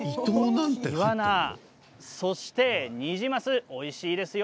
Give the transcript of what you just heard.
イワナ、そしてニジマスおいしいですよ。